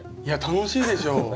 いや楽しいでしょ。